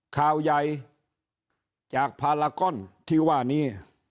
ข่าวใหญ่จากพารากอนที่ว่านี้